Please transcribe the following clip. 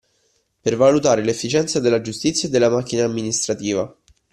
Per valutare l’efficienza della giustizia e della macchina amministrativa